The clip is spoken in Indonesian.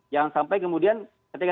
jangan sampai kemudian ketika